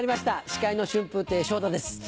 司会の春風亭昇太です。